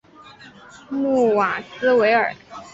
穆瓦斯维尔。